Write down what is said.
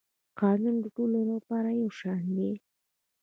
قانون د ټولو لپاره یو شان دی